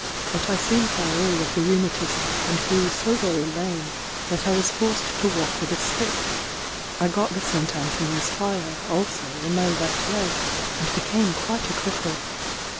But I soon fell ill of the rheumatism, and grew so very lame that I was forced to walk with a stick. I got the Saint Anthony's fire, also, in my left leg, and became quite a cripple.